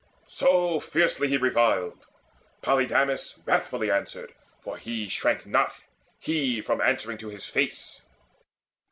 So fiercely he reviled: Polydamas Wrathfully answered; for he shrank not, he, From answering to his face.